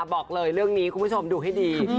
บอกเลยเรื่องนี้คุณผู้ชมดูให้ดี